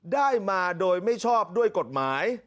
ได้มาโดยไม่ชอบด้วยกฎหมาย